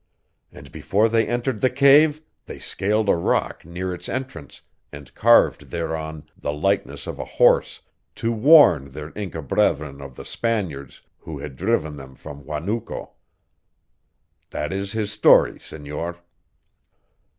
"And before they entered the cave they scaled a rock near its entrance and carved thereon the likeness of a horse to warn their Inca brethren of the Spaniards who had driven them from Huanuco. That is his story, senor."